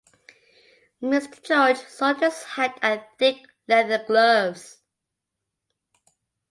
Mr. George sought his hat and thick leather gloves.